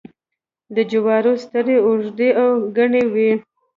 د جوارو سترۍ اوږدې او گڼې وي.